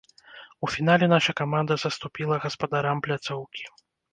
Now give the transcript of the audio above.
У фінале наша каманда саступіла гаспадарам пляцоўкі.